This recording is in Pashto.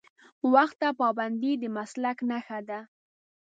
وخت ته پابندي د مسلک نښه ده.